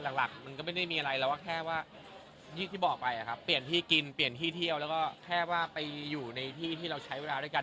จริงแล้วคนไปญี่ปุ่นก็จะมีอยู่ไม่กี่เมือง